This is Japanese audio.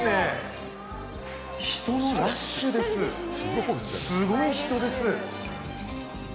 すごい人です。